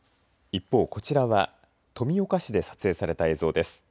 一方、こちらは富岡市で撮影された映像です。